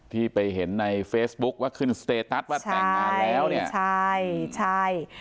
ที่ไปเห็นในเฟซบุ๊คว่าขึ้นสเตตัสว่าแต่งงานแล้วเนี่ยใช่ใช่